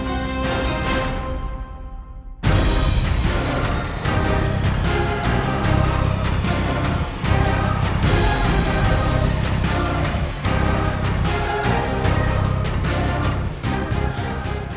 apa yang kamu lakukan